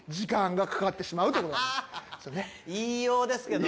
言いようですけどね。